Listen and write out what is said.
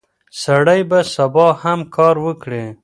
سړی به سبا هم کار وکړي.